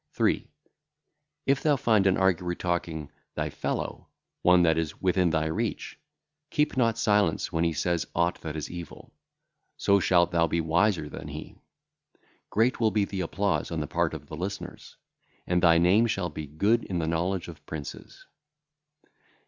3. If thou find an arguer talking, thy fellow, one that is within thy reach, keep not silence when he saith aught that is evil; so shalt thou be wiser than he. Great will be the applause on the part of the listeners, and thy name shall be good in the knowledge of princes.